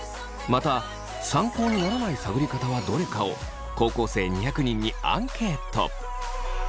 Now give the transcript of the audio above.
また参考にならない探り方はどれか？を高校生２００人にアンケート。